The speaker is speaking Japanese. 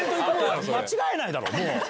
間違えないだろ、もう。